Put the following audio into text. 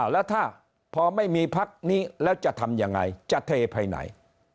แล้วถ้าพอไม่มีพักนี้แล้วจะทำยังไงจะเทไปไหน